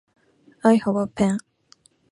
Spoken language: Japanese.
I have a pen.